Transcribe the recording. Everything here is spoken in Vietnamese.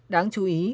đáng chú ý